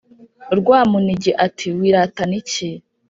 Rwamuningi ati: "Wiratana iki